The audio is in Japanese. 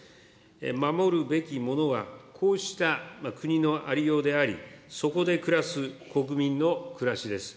守るべきものはこうした国のありようであり、そこで暮らす国民の暮らしです。